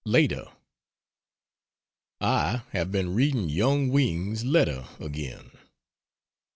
Later.... I have been reading Yung Wing's letter again.